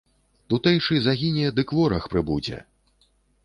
Тутэйшы загіне, дык вораг прыбудзе!